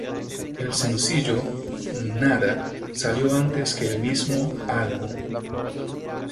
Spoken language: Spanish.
El sencillo "Nada" salió antes que el mismo Álbum.